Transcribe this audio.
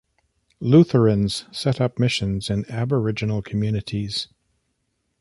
Lutherans set up missions in Aboriginal communities.